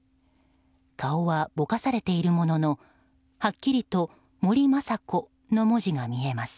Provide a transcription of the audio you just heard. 顔はぼかされているもののはっきりと「森まさこ」の文字が見えます。